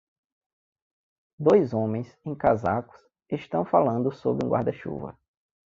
Dois homens em casacos estão falando sob um guarda-chuva.